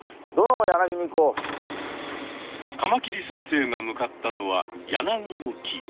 カマキリ先生が向かったのはヤナギの木。